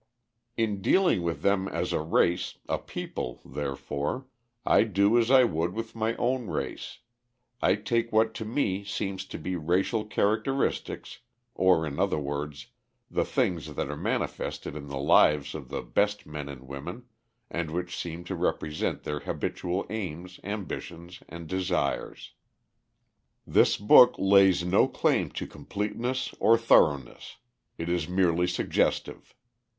In dealing with them as a race, a people, therefore, I do as I would with my own race, I take what to me seem to be racial characteristics, or in other words, the things that are manifested in the lives of the best men and women, and which seem to represent their habitual aims, ambitions, and desires. This book lays no claim to completeness or thoroughness. It is merely suggestive.